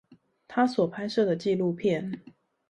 他所拍攝的紀錄片